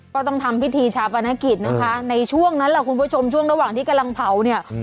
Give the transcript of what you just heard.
ก็ต้องทำพิธีชาปนกิจนะคะในช่วงนั้นแหละคุณผู้ชมช่วงระหว่างที่กำลังเผาเนี่ย